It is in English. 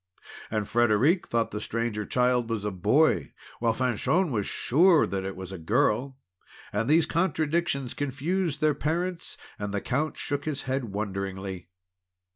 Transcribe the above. And Frederic thought that the Stranger Child was a boy; while Fanchon was sure that it was a girl. And these contradictions confused their parents; and the Count shook his head wonderingly.